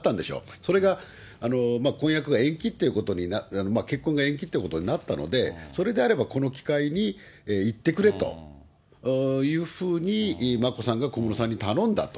それが婚約が延期っていうことに、結婚が延期っていうことになったので、それであれば、この機会に行ってくれというふうに眞子さんが小室さんに頼んだと。